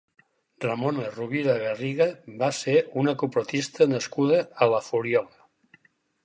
Ramona Rovira Garriga va ser una cupletista nascuda a la Fuliola.